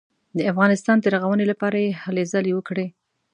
د افغانستان د رغونې لپاره یې هلې ځلې وکړې.